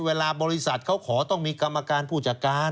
เวลาบริษัทเขาขอต้องมีกรรมการผู้จัดการ